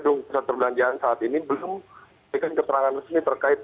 pusat perbelanjaan saat ini belum memberikan keterangan resmi terkait